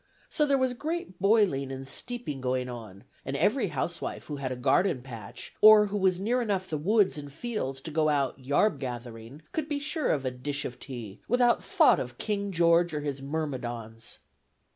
So there was great boiling and steeping going on, and every housewife who had a garden patch, or who was near enough the woods and fields to go out "yarb gathering," could be sure of a "dish of tay," without thought of King George or his myrmidons.